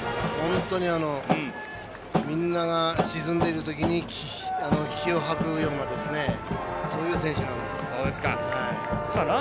本当にみんなが沈んでいるとき気を吐くようなそういう選手なんですよ。